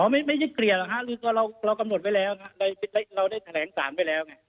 อ๋อไม่ใช่เกลี่ยหรือคะหรือก็เรากำหนดไว้แล้วครับเราได้แถลงสารไว้แล้วไง